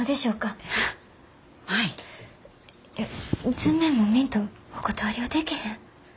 図面も見んとお断りはでけへん。